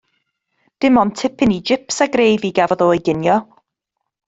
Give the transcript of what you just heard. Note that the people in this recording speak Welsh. Dim ond tipyn i jips a grefi gafodd o i ginio.